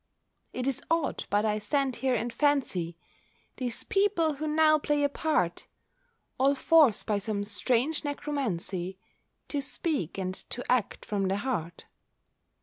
It is odd, but I stand here and fancy These people who now play a part, All forced by some strange necromancy To speak, and to act, from the heart.